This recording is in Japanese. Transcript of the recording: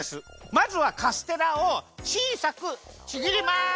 まずはカステラをちいさくちぎります！